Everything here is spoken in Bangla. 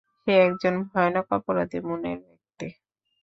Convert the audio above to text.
সে একজন ভয়ানক অপরাধী মনের ব্যক্তি।